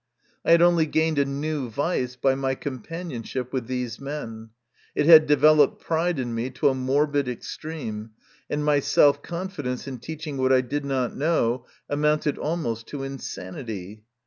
I had only gained a new vice by my companionship with these men ; it had developed pride in me to a morbid extreme, and my self confidence in teaching what I did not know amounted almost to insanity.